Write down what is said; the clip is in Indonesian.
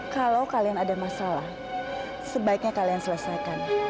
kalau kalian ada masalah sebaiknya kalian selesaikan